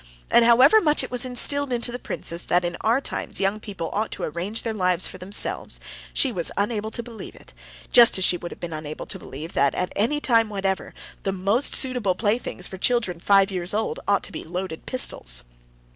And, however much it was instilled into the princess that in our times young people ought to arrange their lives for themselves, she was unable to believe it, just as she would have been unable to believe that, at any time whatever, the most suitable playthings for children five years old ought to be loaded pistols.